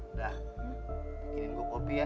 udah bikinin gua opi ya